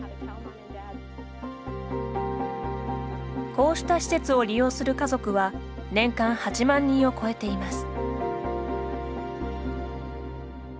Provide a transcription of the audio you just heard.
こうした施設を利用する家族は年間８万人を超えています。